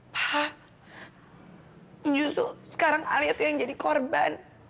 pak justru sekarang alia tuh yang jadi korban